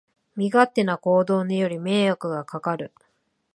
身勝手な行動により迷惑がかかる